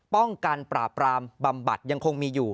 ป้องกันปราบรามบำบัดยังคงมีอยู่